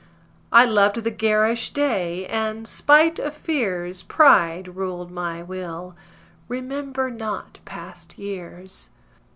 I loved the garish day; and, spite of fears, Pride ruled my will: remember not past years.